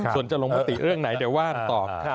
ส่วนจะลงมติเรื่องไหนเดี๋ยวว่าตอบค่ะ